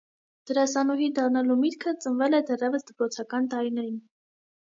Դերասանուհի դառնալու միտքը ծնվել է դեռևս դպրոցական տարիներին։